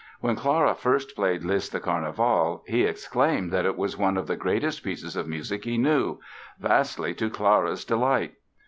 When Clara first played Liszt the "Carnival" he exclaimed that it was one of the greatest pieces of music he knew, vastly to Clara's delight.